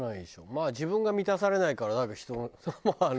まあ自分が満たされないからなんか人の。